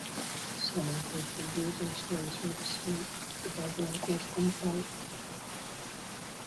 Some include figures and stories from history, the Bible and classical mythology.